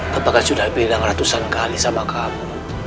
bapak kan sudah bilang ratusan kali sama kamu